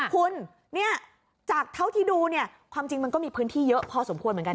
คุณเนี่ยจากเท่าที่ดูเนี่ยความจริงมันก็มีพื้นที่เยอะพอสมควรเหมือนกัน